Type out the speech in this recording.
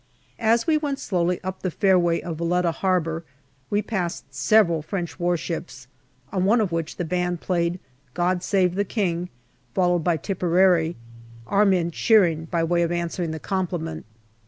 As we went slowly 24 GALLIPOLI DIARY up the fair way of Valetta Harbour, we passed several French warships, on one of which the band played " God Save the King," followed by " Tipperary," our men cheering by way of answering the compliment.